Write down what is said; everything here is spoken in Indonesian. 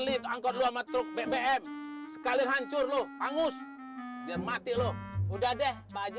lidah kau lu amat truk bbm sekali hancur loh hangus biar mati loh udah deh maji